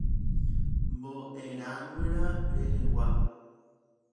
Mbo'erãnguéra rehegua.